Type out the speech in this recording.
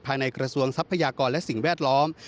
กระทรวงทรัพยากรและสิ่งแวดล้อม